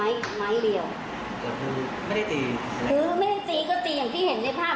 แล้วจะโดนเล็งหมด